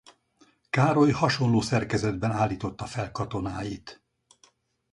Károly hasonló szerkezetben állította fel katonáit.